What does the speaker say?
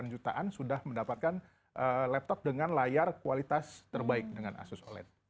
delapan jutaan sudah mendapatkan laptop dengan layar kualitas terbaik dengan asus oled